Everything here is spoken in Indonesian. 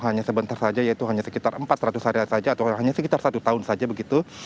hanya sebentar saja yaitu hanya sekitar empat ratus hari saja atau hanya sekitar satu tahun saja begitu